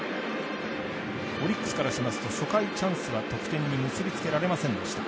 オリックスからしますと初回チャンスは得点に結びつけられませんでした。